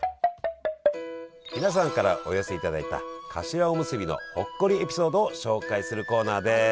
皆さんからお寄せいただいたかしわおむすびのほっこりエピソードを紹介するコーナーです！